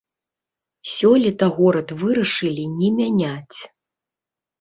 Сёлета горад вырашылі не мяняць.